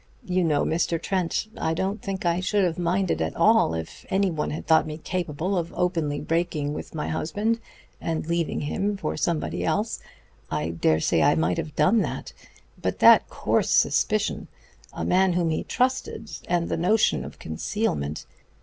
You know, Mr. Trent, I don't think I should have minded at all if any one had thought me capable of openly breaking with my husband and leaving him for somebody else. I dare say I might have done that. But that coarse suspicion ... a man whom he trusted ... and the notion of concealment.